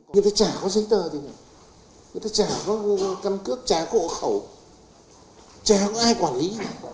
người ta chả có giấy tờ người ta chả có căn cước chả có hộ khẩu chả có ai quản lý